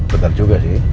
bener juga sih